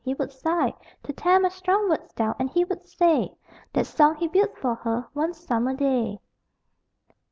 He would sigh To tear my strong words down. And he would say: "That song he built for her, one summer day."